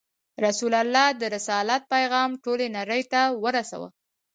رسول الله د رسالت پیغام ټولې نړۍ ته ورساوه.